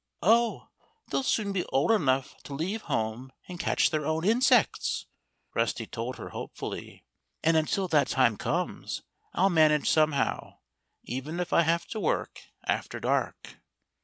"Oh! they'll soon be old enough to leave home and catch their own insects," Rusty told her hopefully. "And until that time comes I'll manage somehow, even if I have to work after dark."